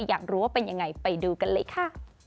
อยากรู้ว่าเป็นยังไงไปดูกันเลยค่ะ